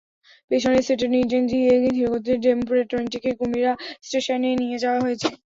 পেছনের সেটের ইঞ্জিন দিয়ে ধীরগতিতে ডেমু ট্রেনটিকে কুমিরা স্টেশনে নিয়ে যাওয়া হয়েছে।